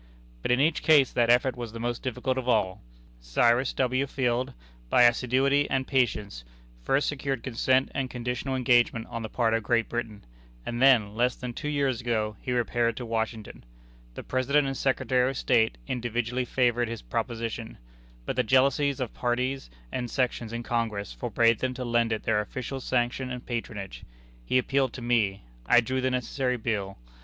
But in each case that effort was the most difficult of all. Cyrus W. Field, by assiduity and patience, first secured consent and conditional engagement on the part of Great Britain, and then, less than two years ago, he repaired to Washington. The President and Secretary of State individually favored his proposition; but the jealousies of parties and sections in Congress forbade them to lend it their official sanction and patronage. He appealed to me. I drew the necessary bill.